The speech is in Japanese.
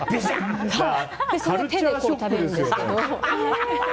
それを手で食べるんですけど。